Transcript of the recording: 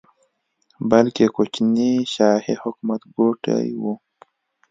بلکې کوچني شاهي حکومت ګوټي وو.